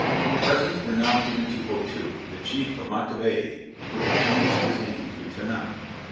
Presents were now given to Otoo, the Chief of Matavai, who had changed his name to Tinah.